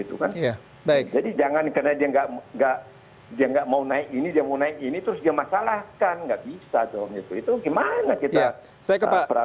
itu bagaimana kita peraturan